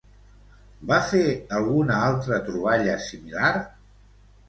Va fer alguna altra troballa similar?